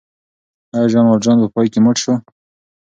آیا ژان والژان په پای کې مړ شو؟